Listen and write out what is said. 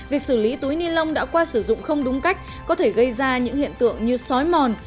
việc xử lý túi ni lông đã qua sử dụng không đúng cách có thể gây ra những hiện tượng như xói mòn